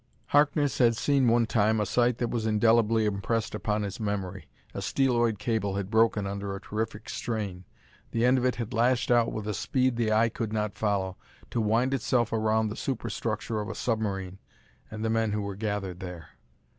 Harkness had seen one time a sight that was indelibly impressed upon his memory. A steeloid cable had broken under a terrific strain; the end of it had lashed out with a speed the eye could not follow, to wind itself around the superstructure of a submarine and the men who were gathered there.